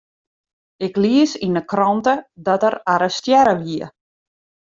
Ik lies yn 'e krante dat er arrestearre wie.